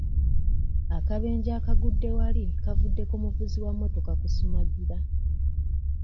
Akabenje akagudde wali kavudde ku muvuzi wa mmotoka kusumagira.